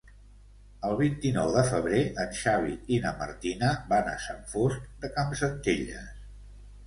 El vint-i-nou de febrer en Xavi i na Martina van a Sant Fost de Campsentelles.